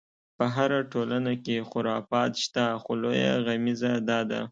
په هره ټولنه کې خرافات شته، خو لویه غمیزه دا ده.